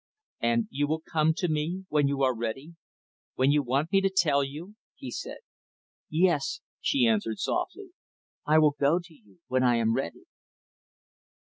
"And you will come to me when you are ready? When you want me to tell you?" he said. "Yes," she answered softly, "I will go to you when I am ready."